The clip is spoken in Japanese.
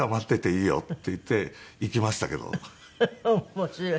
面白い。